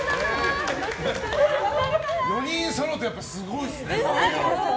４人そろうとすごいですね。